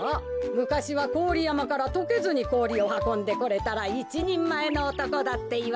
むかしはこおりやまからとけずにこおりをはこんでこれたらいちにんまえのおとこだっていわれたものだよ。